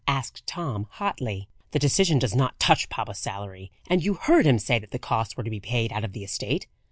asked Tom hotly. "The decision does not touch papa's salary; and you heard him say that the costs were to be paid out of the estate.